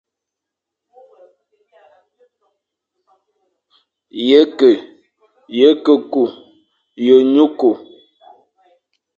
Ye ke, ye ke kü, ye nẑu kü,